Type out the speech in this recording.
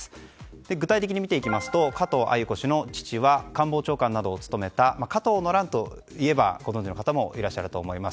具体的に見ていきますと加藤鮎子氏の父は元官房長官で加藤の乱といえばご存じの方もいらっしゃると思います